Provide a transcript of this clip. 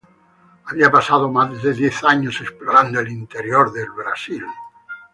Había pasado más de diez años explorando el interior de Brasil.